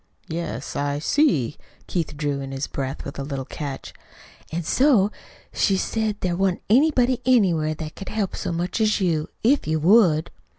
"Yes, I see." Keith drew in his breath with a little catch. "An' so she said there wa'n't anybody anywhere that could help so much as you if you would."